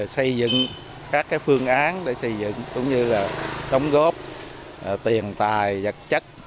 xây dựng các phương án để xây dựng cũng như đóng góp tiền tài vật chất